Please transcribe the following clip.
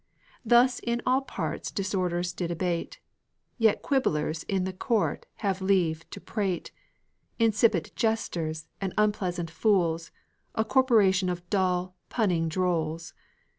Thus in all parts disorders did abate; Yet quibblers in the court had leave to prate, Insipid jesters and unpleasant fools, A corporation of dull, punning drolls.